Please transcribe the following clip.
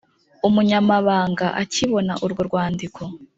Umnyamabanga akibona urwo rwandiko